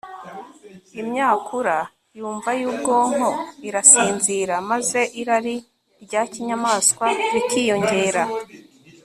imyakura yumva y'ubwonko irasinzira, maze irari rya kinyamaswa rikiyongera